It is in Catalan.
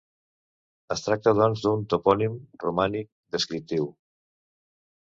Es tracta, doncs, d'un topònim romànic descriptiu.